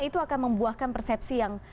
itu akan membuahkan persepsi yang